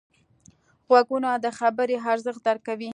غوږونه د خبرې ارزښت درک کوي